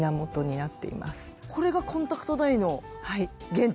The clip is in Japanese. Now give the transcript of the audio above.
これがコンタクトダイの原点？